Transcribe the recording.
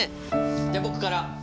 じゃあ僕から。